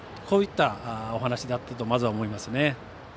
こういったお話だったとまずは思いますね。